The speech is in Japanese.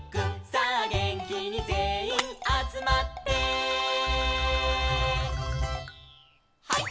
「さあげんきにぜんいんあつまって」「ハイ！